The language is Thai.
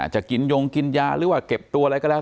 จะกินยงกินยาหรือว่าเก็บตัวอะไรก็แล้ว